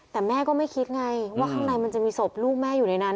แต่แม่ก็ไม่คิดไงว่าข้างในมันจะมีศพลูกแม่อยู่ในนั้น